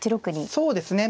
そうですね。